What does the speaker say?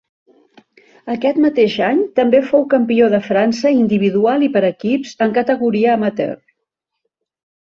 Aquest mateix any també fou campió de França individual i per equips en categoria amateur.